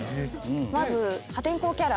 まず破天荒キャラ。